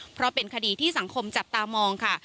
เพราะเป็นคดีที่สังคมจับตามองค่ะ